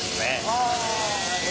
ああ。